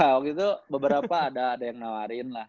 ya waktu itu beberapa ada yang nawarin lah